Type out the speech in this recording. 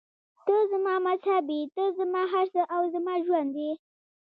ته زما مذهب یې، ته زما هر څه او زما ژوند یې.